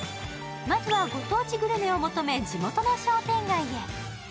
まずはご当地グルメを求め地元の商店街へ。